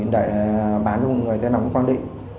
để bán cho người tên đó cũng phong định